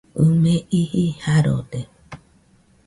ɨ me iji Jarode